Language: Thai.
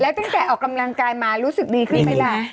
ตั้งแต่ออกกำลังกายมารู้สึกดีขึ้นไหมคะ